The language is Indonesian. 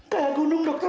tak gunung dokter